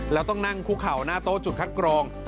แล้วต้องนั่งคุกเข่าหน้าโต๊ะจุดคัดกรอง